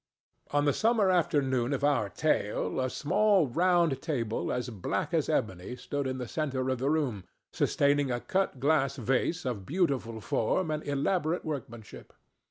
On the summer afternoon of our tale a small round table as black as ebony stood in the centre of the room, sustaining a cut glass vase of beautiful form and elaborate workmanship.